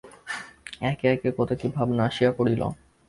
একে একে কত কি ভাবনা আসিয়া পড়িল।